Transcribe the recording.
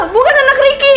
bukan anak riki